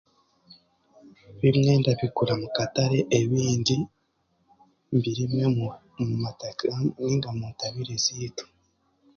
Ebimwe ndabigura mu katare, ebindi birimunu omu mataka nainga mu ntabire ziitu.